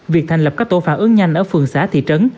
việc thành lập các tổ phản ứng nhanh ở phường xã thị trấn